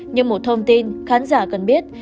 nhưng một thông tin khán giả cần biết